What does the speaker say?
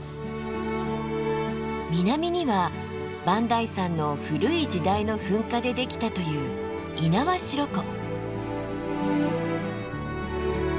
南には磐梯山の古い時代の噴火でできたという猪苗代湖。